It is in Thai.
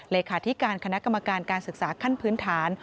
เลขาธิการคณะกรรมการการศึกษาขั้นพื้นฐาน